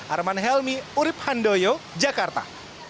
arman helmi urib handoyo jakarta